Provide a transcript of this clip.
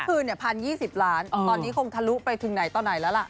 คืน๑๐๒๐ล้านตอนนี้คงทะลุไปถึงไหนต่อไหนแล้วล่ะ